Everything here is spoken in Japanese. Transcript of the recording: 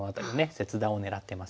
切断を狙ってますけど。